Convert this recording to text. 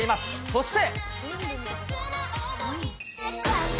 そして。